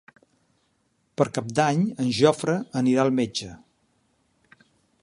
Per Cap d'Any en Jofre anirà al metge.